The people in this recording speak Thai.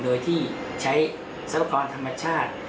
โดยที่ใช้แซวะครอนธรรมชาติ